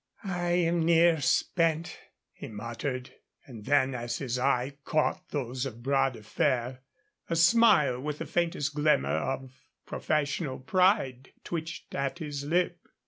"I am near spent," he muttered. And then, as his eye caught those of Bras de Fer, a smile with the faintest glimmer of professional pride twitched at his lip.